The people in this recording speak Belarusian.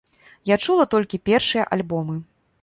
Я чула толькі першыя альбомы.